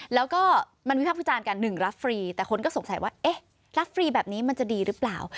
แล้วก็มันวิพักษ์วิจารณ์กันหนึ่งรับฟรีแต่คนก็สงสัยว่าเอ๊ะรับฟรีแบบนี้มันจะดีหรือเปล่า